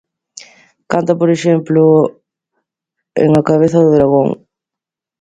Canta, por exemplo, en 'A cabeza do dragón'.